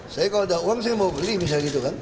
saya kalau ada uang saya mau beli misalnya gitu kan